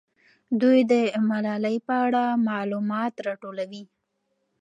دوی د ملالۍ په اړه معلومات راټولوي.